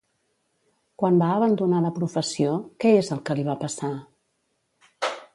Quan va abandonar la professió, què és el que li va passar?